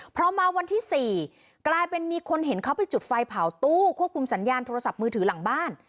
พอมาวันที่๔กลายเป็นมีคนเห็นเขาไปจุดไฟเผาตู้ควบคุมสัญญาณโทรศัพท์มือถือหลังบ้าน